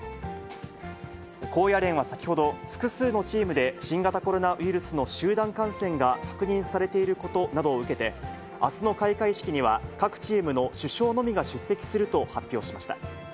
高野連は先ほど、複数のチームで新型コロナウイルスの集団感染が確認されていることなどを受けて、あすの開会式には、各チームの主将のみが出席すると発表しました。